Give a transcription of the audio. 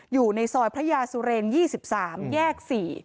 อยู่ในซอยพระยาสุเรน๒๓แยก๔